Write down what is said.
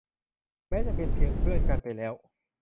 แม้จะเป็นเพียงเพื่อนกันไปแล้ว